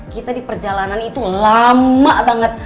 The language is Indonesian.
kita di perjalanan itu lama banget